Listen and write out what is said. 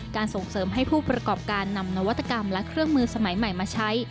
ส่งเสริมให้ผู้ประกอบการนำนวัตกรรมและเครื่องมือสมัยใหม่มาใช้